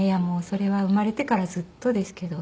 それは生まれてからずっとですけど。